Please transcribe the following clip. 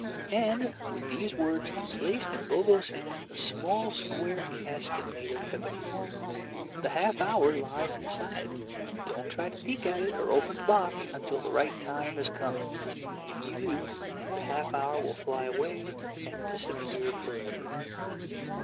And, with these words, he placed in Bobo's hands a small square casket made of ebony. "The half hour lies inside. Don't try to peek at it or open the box until the right time has come. If you do, the half hour will flyaway and disappear forever."